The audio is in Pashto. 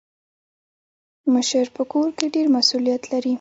مشر په کور کي ډير مسولیت لري.